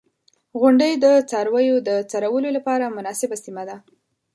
• غونډۍ د څارویو د څرولو لپاره مناسبه سیمه ده.